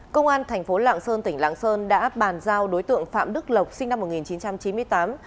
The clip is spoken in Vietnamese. công an thành phố lạng sơn tỉnh lạng sơn đã bàn giao đối tượng phạm đức lộc sinh năm một nghìn chín trăm chín mươi tám